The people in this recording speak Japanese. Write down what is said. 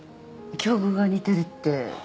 境遇が似てるって？